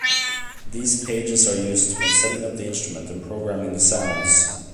These pages are used when setting up the instrument and programming sounds.